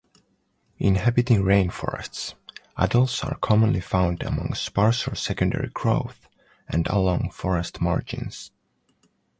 Inhabiting rainforests, adults are commonly found among sparser secondary growth and along forest margins.